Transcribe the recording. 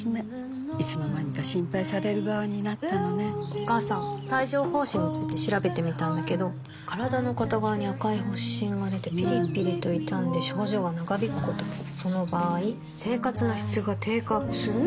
お母さん帯状疱疹について調べてみたんだけど身体の片側に赤い発疹がでてピリピリと痛んで症状が長引くこともその場合生活の質が低下する？